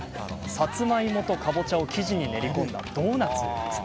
さつまいもと、かぼちゃを生地に練りこんだドーナツです。